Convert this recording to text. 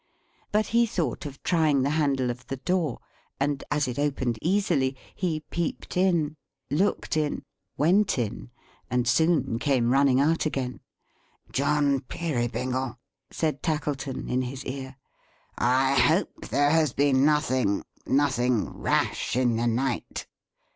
But he thought of trying the handle of the door; and as it opened easily, he peeped in, looked in, went in; and soon came running out again. "John Peerybingle," said Tackleton, in his ear. "I hope there has been nothing nothing rash in the night."